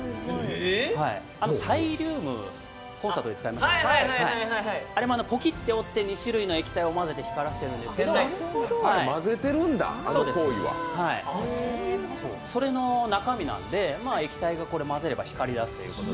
サイリウム、コンサートで使いますね、あれもポキって折って、２種類の液体を混ぜてるんですけどそれの中身なんで、液体が混ざれば光り出すということで。